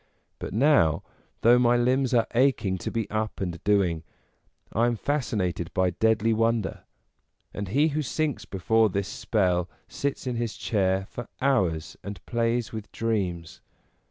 But now, though my limbs are aching to be up and doing, I am fascinated by deadly wonder; and he who sinks be fore this spell sits in his chair for hours and plays with dreams.